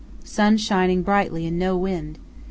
Sun shining brightly and no wind.